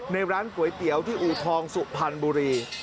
ในร้านก๋วยเตี๋ยวที่อูทองสุพรรณบุรี